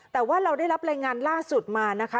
แต่ว่าเราได้รับรายงานล่าสุดมานะคะ